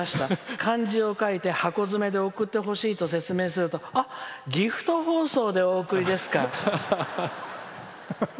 漢字を書いて箱詰めで送ってほしいと説明するとギフト包装でお送りですか」。